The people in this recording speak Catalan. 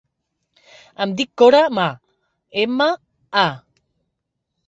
Em dic Cora Ma: ema, a.